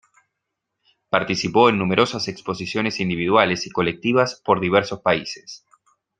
Participó en numerosas exposiciones individuales y colectivas por diversos países.